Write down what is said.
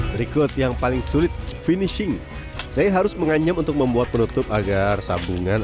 berikut yang paling sulit finishing saya harus menganyam untuk membuat penutup agar sambungan